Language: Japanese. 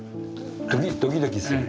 ドキドキする？